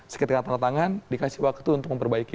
seketika tanda tangan dikasih waktu untuk memperbaiki